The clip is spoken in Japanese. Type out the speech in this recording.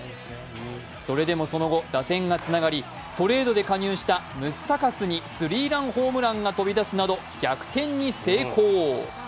それでもその後、打線がつながりトレードで加入したムスタカスにスリーランホームランが飛び出すなど逆転に成功。